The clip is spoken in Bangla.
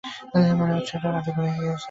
মনে হচ্ছে এটা রাতে খুলে গিয়েছে।